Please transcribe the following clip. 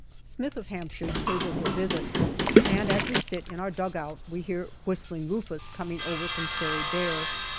Smith, of Hampshires, pays us a visit, and as we sit in our dugout we hear " Whistling Rufus " coming over from Sari Bair.